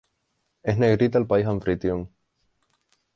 En negrita el país anfitrión